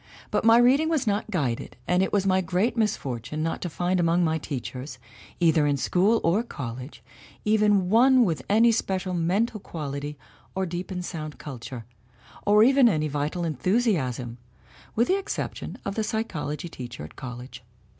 But my reading was not guided and it was my great misfortune not to find among my teachers, either in school or college, even one with any special mental quality or deep and sound culture, or even any vital enthusiasm with the exception of the psychology teacher at college.